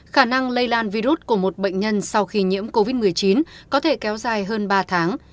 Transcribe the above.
khả năng lây lan virus của một bệnh nhân sau khi nhiễm covid một mươi chín có thể kéo dài hơn ba tháng